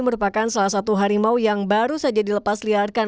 merupakan salah satu harimau yang baru saja dilepas liarkan